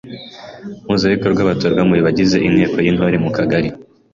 Mpuzabikorwa batorwa mu bagize Inteko y’Intore mu Kagari.